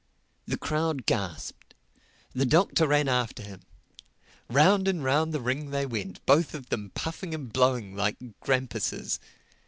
The crowd gasped. The Doctor ran after him. Round and round the ring they went, both of them puffing and blowing like grampuses.